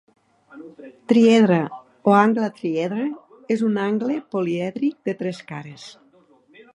Triedre o Angle triedre, és un angle polièdric de tres cares.